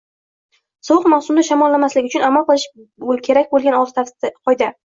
Sovuq mavsumda shamollamaslik uchun amal qilish kerak bo‘lganoltita oddiy qoida